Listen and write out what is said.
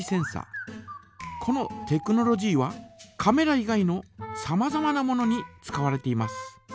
このテクノロジーはカメラ以外のさまざまなものに使われています。